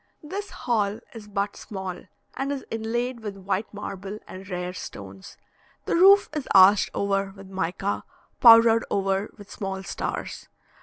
This hall is but small, and is inlaid with white marble and rare stones; the roof is arched over with mica, powdered over with small stars.